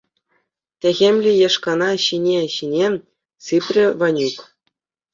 Техӗмлӗ яшкана ҫине-ҫине сыпрӗ Ванюк.